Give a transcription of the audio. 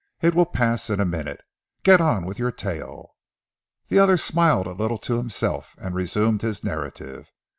"It will pass in a minute. Get on with your tale." The other smiled a little to himself, and resumed his narrative.